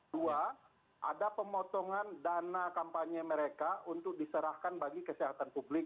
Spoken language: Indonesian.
dua ada pemotongan dana kampanye mereka untuk diserahkan bagi kesehatan publik